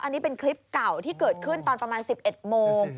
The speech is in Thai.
อันนี้เป็นคลิปเก่าที่เกิดขึ้นตอนประมาณ๑๑โมง